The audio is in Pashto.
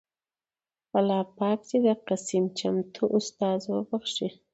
اللهٔ پاک د قسيم چمتو استاد وبښي